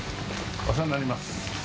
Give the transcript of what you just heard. ・お世話になります。